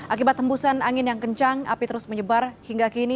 akibat tembusan angin yang kencang api terus menyebar hingga kini